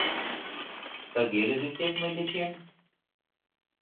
Тыге лӱдыктет мый дечем?